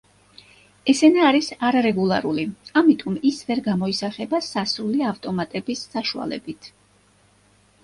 ეს ენა არის არარეგულარული ამიტომ ის ვერ გამოისახება სასრული ავტომატების საშუალებით.